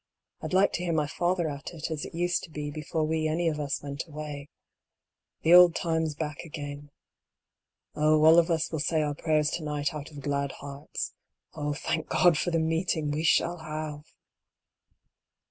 I'd like to hear my father at it, as it used to be before we any of us went away —■ the old times back again. Oh, all of us will say our prayers to night out of glad hearts. Oh, thank God for the meeting we shall have